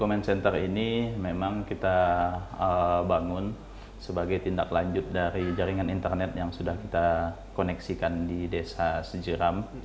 comment center ini memang kita bangun sebagai tindak lanjut dari jaringan internet yang sudah kita koneksikan di desa sejeram